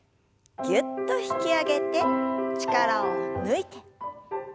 ぎゅっと引き上げて力を抜いて。